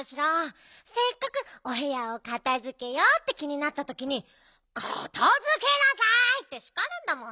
せっかくおへやをかたづけようって気になったときに「かたづけなさい！」ってしかるんだもん。